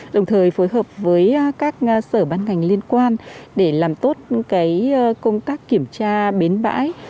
đồng thời phối hợp với các sở ban ngành liên quan để làm tốt công tác kiểm tra bến bãi